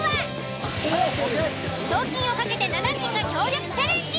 賞金を懸けて７人が協力チャレンジ。